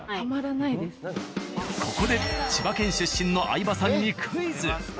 ここで千葉県出身の相葉さんにクイズ。